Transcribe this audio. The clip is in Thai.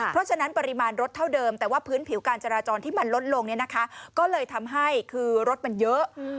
เพราะฉะนั้นปริมาณรถเท่าเดิมแต่ว่าพื้นผิวการจราจรที่มันลดลงเนี่ยนะคะก็เลยทำให้คือรถมันเยอะ